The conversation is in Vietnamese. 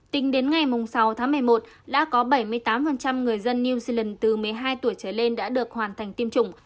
tính đến ngày sáu tháng một mươi một đã có bảy mươi tám người dân new zealand từ một mươi hai tuổi trở lên đã được hoàn thành tiêm chủng